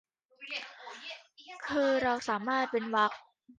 คือเราสามารถเว้นเวรรค